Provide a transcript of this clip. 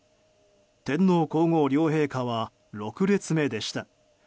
天皇・皇后両陛下は６列目でした。